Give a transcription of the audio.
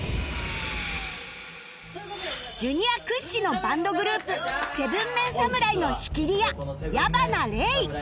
Ｊｒ． 屈指のバンドグループ ７ＭＥＮ 侍の仕切り屋矢花黎